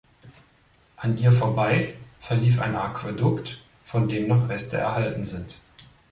An ihr vorbei verlief ein Aquädukt, von dem noch Reste erhalten sind.